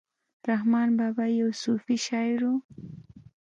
رحمان بابا یو صوفي شاعر ؤ